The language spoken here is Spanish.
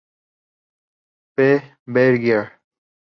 P. Bergier